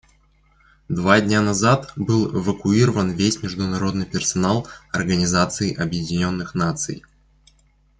Два дня назад был эвакуирован весь международный персонал Организации Объединенных Наций.